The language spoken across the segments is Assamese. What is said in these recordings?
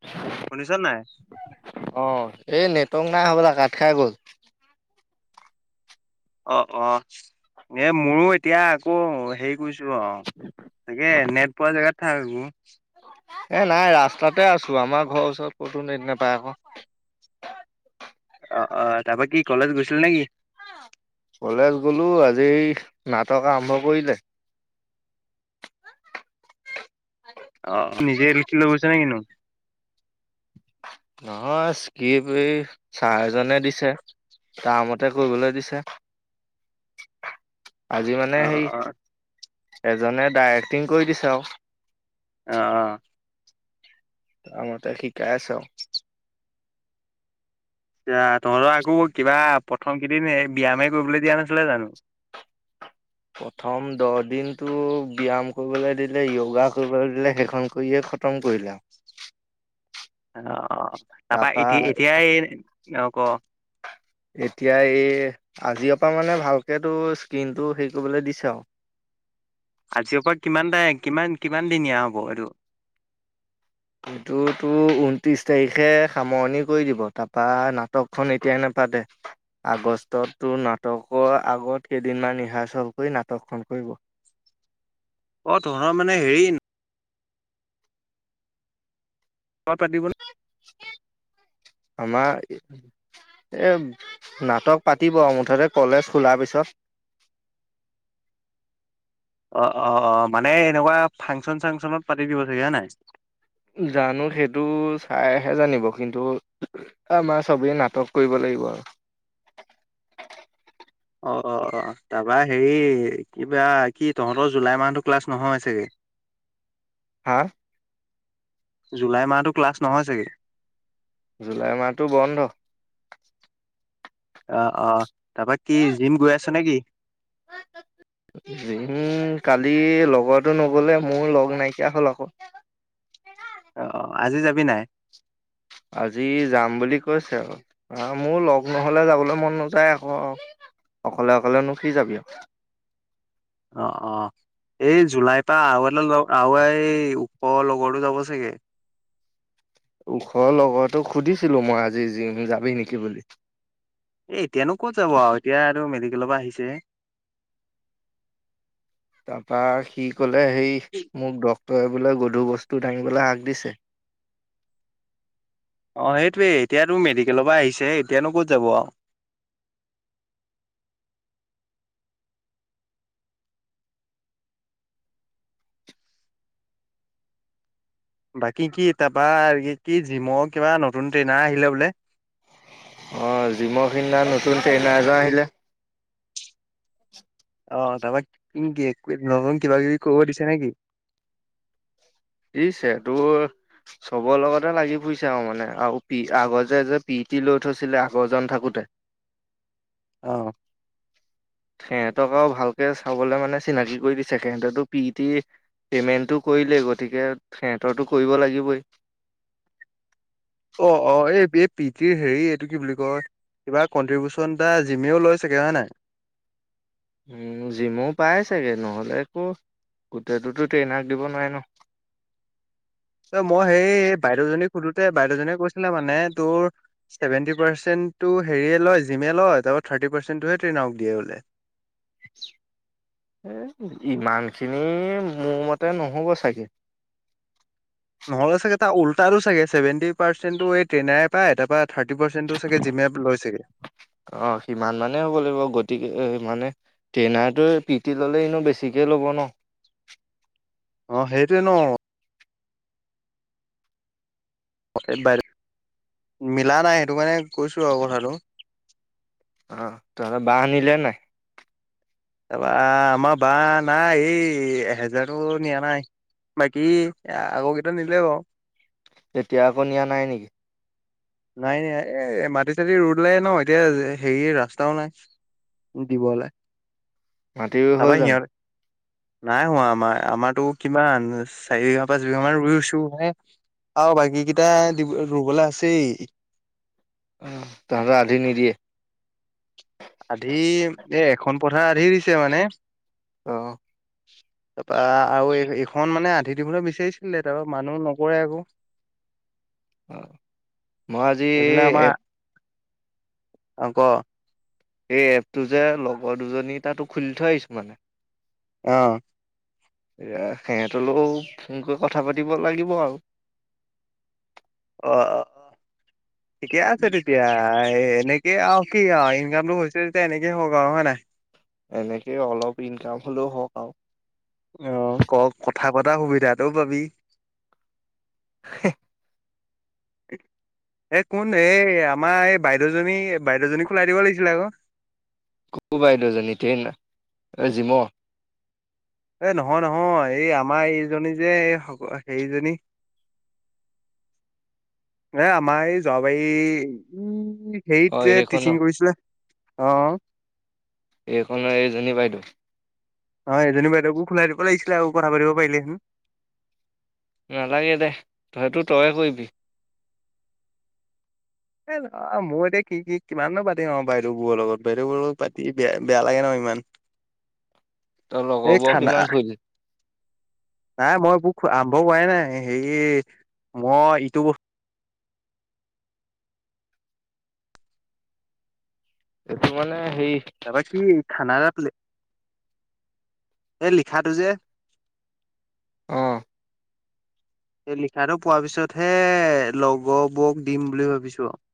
[inaudible] শুনিছান নাই। অ এই নেটৱক নাই হ'বলা কাট খাই গ'ল। অ অ এ মোৰো এতিয়া আকৌ হেৰি [unintelligible] তাকে নেট পোৱা জেগাত থাক আকৌ। এ নাই ৰাস্তাতে আছো আমাৰ ঘৰৰ ওচৰত ক'তো নেট নাপায় আকৌ। অ অ তাৰপা কি কলেজ গৈছিলে নেকি? কলেজ গলো আজি নাটক আৰম্ভ কৰিলে। অ নিজে লখি লৈগৈছে নে কিনো? নহয় [unintelligible] ছাজনে দিছে। তা মতে কৰিবলৈ দিছে। আজি মানে অ', সেই অ', এজনে ডাইৰেক্টিং কৰি দিছে আউ। অ অ। তাৰ মতে শিকাই আছ আউ। [unintelligible] তোমালোকৰ আকৌ কিবা প্ৰথম কিদিন এই ব্যয়ামে কৰিবলৈ দিয়া নাছিলে জানো? প্ৰথম দহ দিনটো ব্যায়াম কৰিবলৈ দিলে য়োগা কৰিবলৈ দিলে সেইখন কৰিয়ে [unintelligible] কৰিলে আউ। অ অ তাৰাপা তাৰপা এতিয়া এতিয়াই অ' ক' [inaudible] এতিয়া এই আজিঅপা মানে ভালকে তো স্কিনতটো হেৰি কৰিবলৈ দিছে আউ। আজিঅপা কিমান [unintelligible] কিমান কিমান দিনীয়া হ'ব এইটো। এইটো তোৰ ঊনত্ৰিশ তাৰিখে সামৰণি কৰি দিব। তাৰপা নাটকখন এতিয়াই নাপাতে। আগষ্টত তোৰ নাটকৰ আগত কেইদিনমান ৰিহাৰ্চেল কৰি নাটকখন কৰিব। অ তহঁতৰ মানে হেৰি [unintelligible] পাতিব আমাৰ এই নাটক পাতিব। মুঠতে কলেজ খোলাৰ পিছত- অ, অ, অ' মানে এনেকুৱা ফাংচন, চাংচনত পাতি দিব জেগা নাই। জানো সেইটো চাইয়েহে জানিব। কিন্তু- আমাৰ চবেই নাটক কৰিব লাগিব আৰু। অঁ অঁ অঁ, তাৰপা হেৰি কিবা কি তহঁতৰ জুলাই মাহতো ক্লাছ নহয় চাগে? হাঁ? জুলাই মাহতো ক্লাছ নহয় চাগে? জুলাই মাহটো বন্ধ। অ‍ঁ অঁ তাপা কি জিম গৈ আছ নে কি? [unintelligible] জিম কালি লগৰটো নগলেই মোৰ লগ নাইকিয়া হ'ল আক। অঁ অঁ আজি যাবি নাই? আজি যাম বুলি কৈছে ক, অঁ মোৰ লগ নহলে যাবলে মন নাযায় আক। অকলে অকলেনো কি যাবি আৰু। অঁ অঁ। এই জুলাইৰ পা আৰু এটা লগ আৰু এই ওপৰ লগৰটো যাব চাগে? ওচৰ লগৰটোক সুধিছিলো মই আজি জিম যাবি নেকি বুলি? এ এতিয়ানো ক'ত যাব আও এতিয়া আৰু মেডিকেলৰ পৰা আহিছেহে। তাপা সি কলে সেই মোক ডক্টৰে বোলে গধুৰ বস্তু দাঙিবলৈ হাক দিছে। অ সেইটোয়ে, এতিয়াতো মেডিকেলৰ পৰা আহিছে, এতিয়ানো ক'ত যাব আও? বাকী কি তাৰপা কি কি জিমৰ কিবা নতুন ট্ৰেইনাৰ আহিলে বোলে? অঁ জিমৰ সেদিনা নতুন ট্ৰেইনাৰ এজন আহিলে। অঁ তাপা কি কি নতুন কিবা কিবি কৰিব দিছে নেকি? দিছে। তোৰ- চবৰ লগতে লাগি ফুৰিছে আৰু মানে আৰু আগৰ যে যে পি টি লৈ থৈছিলে আগৰজন থাকোতে। অঁ'। সেহেঁতক আৰু ভালকে চাবলে মানে চিনাকি কৰি দিছে। সেহেঁতৰটো পিটি- পে'মেণ্টটো কৰিলেই, গতিকে সেহেঁতৰটো কৰিব লাগিবই। অ অ এই এই পিটিৰ হেৰি, এইটো কি বুলি কয়? কিবা কণ্ট্ৰিবিউচন এটা জিমেও লয় চাগে হয় নাই? উম' জিমো পাই চাগে? নহ'লে একো দুটা দুটা ট্ৰেইনাক দিব নোৱাৰে ন। ত মই সেই বাইদেউজনীক সুধোঁতে বাইদেউজনিয়ে কৈছিলে মানে তোৰ- ছেভেনটি পাৰ্চেণ্টো হেৰিয়ে লয় জিমে লয়, তাৰপা থাৰ্টি পাৰ্চেণ্টোহে ট্ৰেইনাৰক দিয়ে বোলে। এ ইমানখিনি মোৰ মতে নহ'ব চাগে? নহলে চাগে তাৰ উল্টাতো চাগে চেভেন্টি পাৰ্চেণ্টো এই ট্ৰেইনাৰে পাই, তাপা থাৰ্টি পা- চেনটো চাগে জিমে লয় চাগে? অঁ সিমান মানে হ'ব লাগিব। গতিকে মানে- ট্ৰেইনাৰটো পি টি ল'লে, এনেও বেছিকেই ল'ব ন। অঁ সেইটোয়ে ন। বাইদেউ, মিলা নাই সেইটো কাৰনে কৈছোঁ আৰু কথাটো। অঁ তহঁত বাঁহ আনিলে নাই? তাপা আমাৰ বাঁহ নাই। এই এহেজাৰো নিয়া নাই। বাকী এ আগৰ গীতা নিলে বাৰু। এতিয়া আকৌ নিয়া নাই নেকি? নাই নাই এই মাটি চাটি ৰুলে ন, এতিয়া হেৰি ৰাস্তাও নাই। দিবলে, মাটি ৰুই হ'ল তাৰপা জানো সিহৰ নাই হোৱা, আমাৰ আমাৰটো কিমান চাৰি বিঘা পাঁচ বিঘা মান ৰুইছোঁহে। আৰু বাকীকেইটা দি, ৰুবলৈ আছেই। অ' তহঁতৰ আধি নিদিয়ে? আধি এ, এখন পথাৰ আধি দিছে মানে। অ'। তাৰপৰা আৰু এইখন মানে আধি দিবলৈ বিচাৰিছিলে তাৰপৰা মানুহ নকৰে আকৌ। অ মই আজি এইফালে আমাৰ, এপ অ' ক। এই এপটো যে লগৰ দুজনী তাতো খুলি থৈ আহিছোঁ মানে। অ'। এয়া সিহঁতলৈও ফোন কৰি কথা পাতিব লাগিব আৰু। অ', অ' ঠিকে আছে তেতিয়া, এনে কে, আৰু কি আৰু ইনকামটো হৈছে তেতিয়া এনেকে হওক আৰু হয় নাই। এনেকে অলপ ইনকাম হ'লেও হওক আৰু। অ' কওক, কথা পতা সুবিধাটোও পাবি। [inaudible] [inaudible] এ, কোন এই আমাৰ এই বাইদেউজনী বাইদেউজনী খোলাই দিব লাগিছিল আকৌ। কোন বাইদেউজনী টেইনাৰ, জিমৰ? এ, নহয় নহয় এই আমাৰ এইজনী যে এই হেৰিজনী। এ, আমাৰ এই জৰাবাৰি অ হেৰিত যে এইখনৰ টিচিং কৰিছিলে, অ'। এইখনৰ এইজনী বাইদেউ? অ' এইজনী বাইদেউকো খোলাই দিব লাগিছিল আৰু কথা পাতিব পাৰিলেহেতেঁন। নালাগে দে, হেইটো তইয়ে কৰিবি। এ, অ' মোৰ এতিয়া কি কি কিমাননো পাতিম অ' বাইদেউবোৰৰ লগত, বাইদেউবোৰৰ লগত পাতি বেয়া বেয়া লাগে নহয় ইমান। তই এই লগৰবোৰক খানা কিমান কৰিলি নাই মই এইবোৰ আৰম্ভ কৰাই নাই, হেৰি মই ইটো ব এইটো মানে হেৰি তাৰপা কি খানা এটা পালি। এই লিখাটো যে। অ'। এই লিখাটো পোৱাৰ পিছতহে লগৰবোৰক দিম বুলি ভাবিছোঁ আৰু।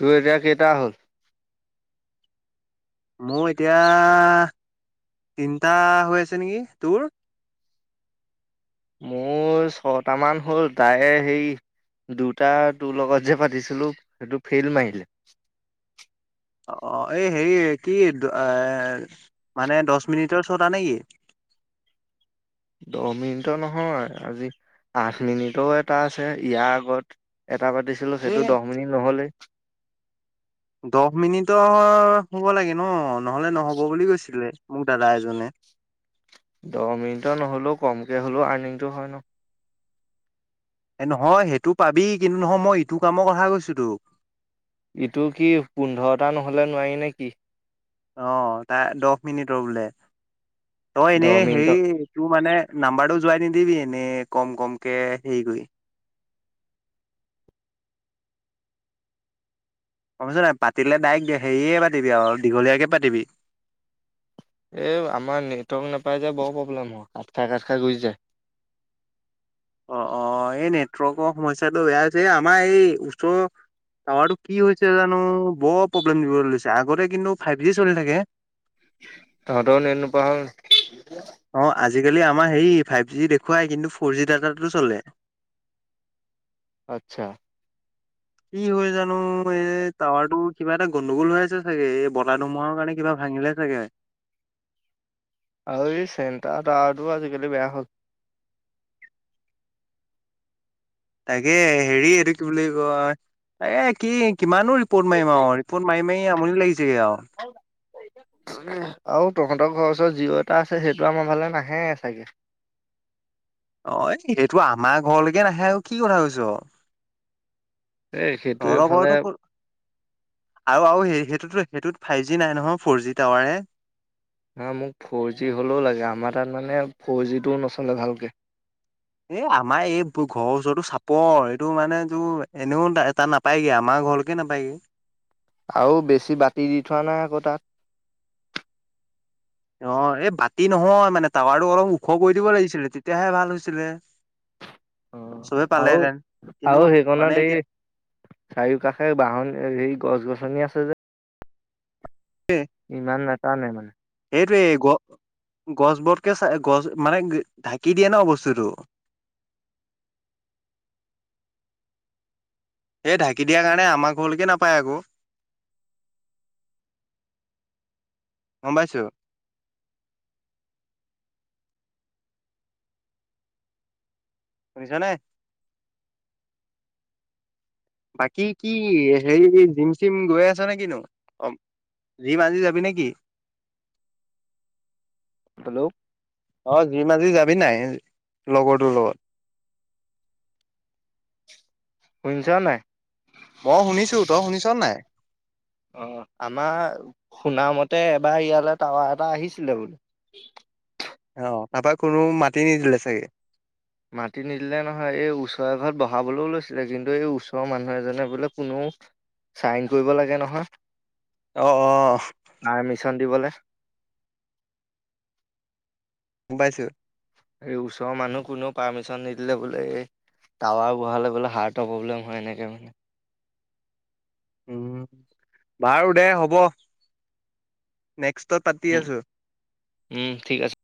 তোৰ এতিয়া কেইটা হ'ল? মোৰ এতিয়া তিনিটা হৈ আছে নেকি। তোৰ? মোৰ ছটামান হ'ল, তাৰে হেৰি দুটা তোৰ লগত যে পাতিছিলোঁ সেইটো ফেইল মাৰিলে। অ', অ' এই হেৰি কি এ, মানে দহ মিনিটৰ ছটা নেকি? দহ মিনিটৰ নহয়, আজি আঠ মিনিটৰ এটা আছে, ইয়াৰ আগত এটা পাতিছিলোঁ সেইটো এই দহ মিনিট নহ'লেই। দহ মিনিটৰ হ'ব লাগে ন' নহ'লে নহ'ব বুলি কৈছিলে মোক দাদা এজনে। দহ মিনিটৰ নহ'লেও কমকে হ'লেও আৰ্নিংটো হয় ন'। এ, নহয় সেইটো পাবি কিন্তু নহয় মই ইটো কামৰ কথা কৈছোঁ তোক। ইটো কি পোন্ধৰটা নহলে নোৱাৰি নে কি? অ', তাৰ দহ মিনিটৰ বোলে, অ', দহ এনেই হেৰি মিনিটত তোৰ মানে নাম্বাৰটো যোৱাই নিদিবি এনেই কম কম হেৰি কৰি। গম পাইছ নাই পাতিলে তাইক দা হেৰীয়ে পাতিবি আৰু দীঘলীয়াকে পাতিবি। এ আমাৰ নেটৱৰ্ক নাপাই যে বৰ প্ৰব্লেম হয়, [unintelligible] অ' অ' এই নেটৱৰ্কৰ সমস্যাটো বেয়া হৈছে, আমাৰ এই উচৰৰ টাৱাৰটো কি হৈছে জানো বৰ প্ৰব্লেম দিব লৈছে আগতে কিন্তু ফাইভ জি চলি থাকে। তহঁতৰ [unintelligible] অ', আজিকালি আমাৰ হেৰি ফাইভ জি দেখুৱাই কিন্তু ফৰ জি ডাটাটোত চলে। আচ্ছা। কি হয় জানো এ টাৱাৰটো কিবা এটা গণ্ডগোল হৈ আছে চাগে এই বতাহ ধুমুহাৰ কাৰণে কিবা ভাঙিলে চাগে। আৰু এই চেণ্টাৰ তাৰটো আজিকালি বেয়া হল। তাকে হেৰি এইটো কি বুলি কয় এ কি কিমানো ৰিপৰ্ট মাৰিম আৰু ৰিপৰ্ট মাৰি মাৰি আমনি লাগিছেগে আৰু। [unintelligible] আৰু তহঁতৰ ঘৰৰ ওচৰৰ জিঅ এটা আছে সেইটো আমাৰ ফালে নাহে চাগে। অ', সেইটো আমাৰ ঘৰলৈকে নাহে আৰু কি কথা কৈছ। এ সেইটো তহঁতৰ এইফালে ঘৰতো কত? আৰু আৰু সেইটোতো সেইটোত ফাইভ জি নাহে নহয়, ফৰ জি টাৱাৰহে। না মোক ফ'ৰ জি হ'লেও লাগে আমাৰ তাত মানে ফ'ৰ জিটো নচলে ভালকে। এ আমাৰ এই ঘৰৰ ওচৰটো চাপৰ, এইটো মানে তোৰ এনেও এটা নাপ পায়গে আমাৰ ঘৰলৈকে নাপায়গে। আৰু বেছি বাতি দি থোৱা নাই আকৌ তাত। অ এই বাতি নহয় মানে টাৱাৰটো অলপ ওখ কৰি দিব লাগিছিলে তেতিয়াহে ভাল হৈছিলে। চবে আৰু পালেহেঁতেন কিন্তু আৰু মানে সেইখনত এতিয়া এই চাৰিও কাষে বাহন হেৰি গছ গছনি আছে যে। [unintelligible] ইমান নাতানে। সেইটোৱেই গ-গছ বতকে চাই গছ মানে ঢাকি দিয়ে ন বস্তুটো। এই ঢাকি দিয়াৰ কাৰণে আমাৰ ঘৰলৈকে নাপায় আকৌ। গম পাইছ? [unintelligible] বাকী কি হেৰি জিম চিম গৈ আছা নে কিনো? জিম আজি যাবি নেকি? হেল্ল' অ', জিম আজি যাবি নাই, লগৰটোৰ লগত? শুনিছ নে নাই? মই শুনিছো তই শুনিছ নাই? অ', আমাৰ শুনামতে এবাৰ ইয়ালৈ টাৱাৰ এটা আহিছিলে বোল অ', তাৰপৰা কোনো মাটি নিদিলে চাগে। মাটি নিদিলে নহয় এই ওচৰ ঘৰত বহাবলৈও লৈছিলে কিন্তু এই ওচৰৰ মানুহ এজনে বোলে কোনো চাইন কৰিব লাগে নহয়। অ' অ' পাৰ্মিচন দিবলে। গম পাইছোঁ। এই ওচৰৰ মানুহ কোনো পাৰ্মিশ্যন নিদিলে বোলে এই টাৱাৰ বহালে বোলে হাৰ্টৰ প্ৰব্লেম হয় এনেকে মানে উম, বাৰু দে হব নেক্সটত পাতি উম আছো। উম ঠিক আছে।